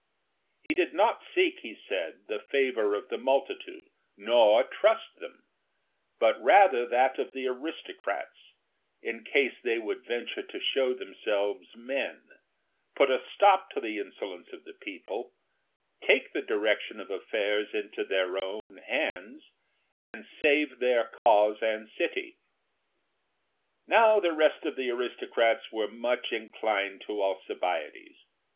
He did not seek, he said, the favour of the multitude, nor trust them, but rather that of the aristocrats, in case they would venture to show themselves men, put a stop to the insolence of the people, take the direction of affairs into their own hands, and save their cause and city. Now the rest of the aristocrats were much inclined to Alcibiades.